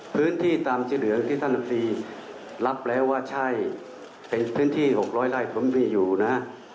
พื้นที่ตามที่เหลืองที่ท่านลำตรีรับแล้วว่าใช่เป็นพื้นที่๖๐๐ไร่ผมมีอยู่นะ